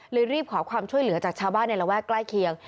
รีบขอความช่วยเหลือจากชาวบ้านในระแวกใกล้เคียง